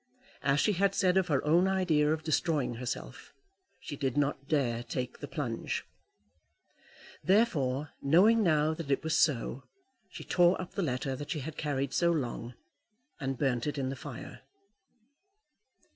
As she had said of her own idea of destroying herself, she did not dare to take the plunge. Therefore, knowing now that it was so, she tore up the letter that she had carried so long, and burnt it in the fire.